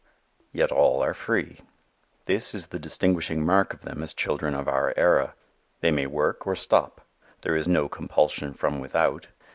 Yet all are free. This is the distinguishing mark of them as children of our era. They may work or stop. There is no compulsion from without.